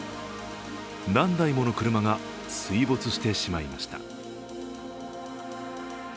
何台もの車が水没してしまいました。